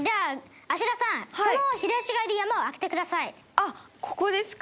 あっここですか？